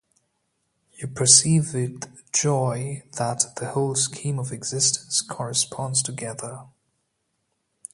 You perceive with joy that the whole scheme of existence corresponds together.